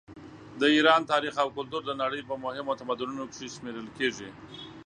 د ایران تاریخ او کلتور د نړۍ په مهمو تمدنونو کې شمېرل کیږي.